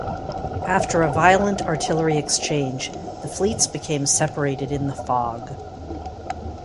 After a violent artillery exchange, the fleets became separated in the fog.